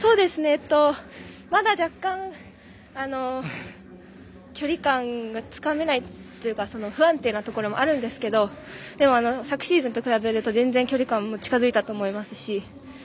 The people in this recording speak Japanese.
まだ若干、距離感がつかめないというか不安定なところもあるんですけどでも、昨シーズンと比べるとぜんぜん距離感近づいたと思いますし。